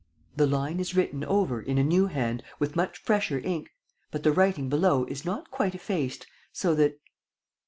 The line is written over, in a new hand, with much fresher ink; but the writing below is not quite effaced, so that.